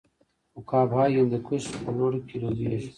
عقاب های هندوکش په لوړو کې لوبیږي.